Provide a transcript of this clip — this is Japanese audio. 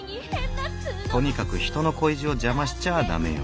とにかく他人の恋路を邪魔しちゃだめよねえ。